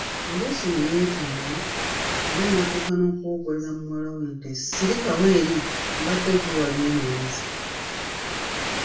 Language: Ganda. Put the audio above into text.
Oluusi ne yeetamwa era n’atuuka n’okuboggolera muwalawe nti, Sirikawo eri mbadde ggwe wabwenoonyeza.